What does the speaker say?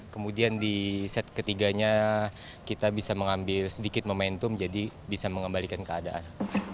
kemudian di set ketiganya kita bisa mengambil sedikit momentum jadi bisa mengembalikan keadaan